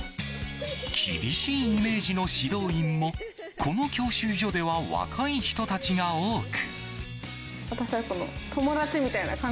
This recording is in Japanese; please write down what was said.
厳しいイメージの指導員もこの教習所では若い人たちが多く。